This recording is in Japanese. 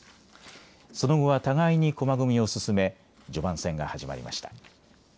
その後は互いに駒組みを進め序盤戦が始まりました。